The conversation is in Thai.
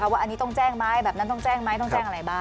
ว่าอันนี้ต้องแจ้งไหมแบบนั้นต้องแจ้งไหมต้องแจ้งอะไรบ้าง